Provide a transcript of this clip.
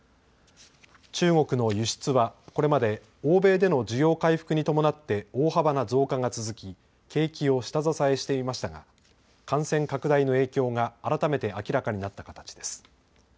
中国の輸出はこれまで欧米での需要回復に伴って大幅な増加が続き景気を下支えしていましたが感染拡大の影響が改めて明らかになった形です。